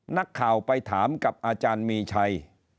นักข่าวไปถามกับอาจารย์มีชัย